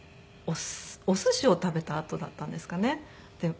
おすしを食べたあとだったんですかね。